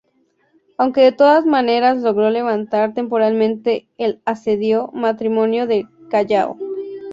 Aunque de todas maneras logró levantar temporalmente el asedio marítimo del Callao.